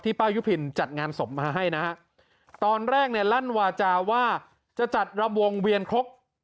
ป้ายุพินจัดงานศพมาให้นะฮะตอนแรกเนี่ยลั่นวาจาว่าจะจัดรำวงเวียนครก